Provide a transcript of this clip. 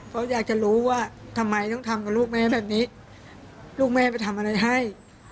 เพราะอยากจะรู้ว่าทำไมต้องทำกับลูกแม่แบบนี้ลูกแม่ไปทำอะไรให้